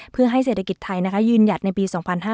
เพื่อให้เศรษฐกิจไทยยืนหยัดในปี๒๕๕๙